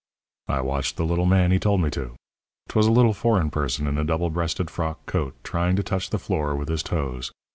"I watched the little man he told me to. 'Twas a little foreign person in a double breasted frock coat, trying to touch the floor with his toes.